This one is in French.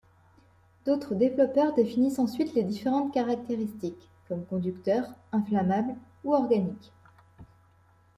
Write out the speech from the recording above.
D’autres développeurs définissent ensuite les différentes caractéristiques, comme conducteur, inflammable ou organique.